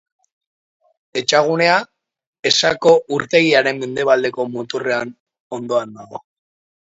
Etxagunea, Esako urtegiaren mendebaldeko muturraren ondoan dago.